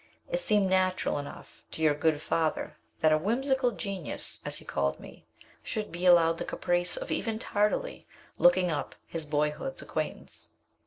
It seemed natural enough to your good father that 'a whimsical genius,' as he called me, should be allowed the caprice of even tardily looking up his boyhood's acquaintance.